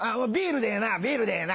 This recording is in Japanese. ビールでええな？